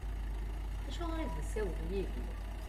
Acuɣer i d-isawel Yidir?